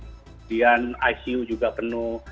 kemudian icu juga penuh